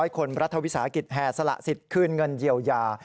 คนรัฐวิสาหกิจแห่สละสิทธิ์คืนเงินเยียวยา